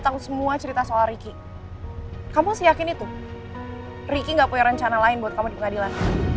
tahu semua cerita soal ricky kamu seyakin itu ricky gak punya rencana lain buat kamu di pengadilan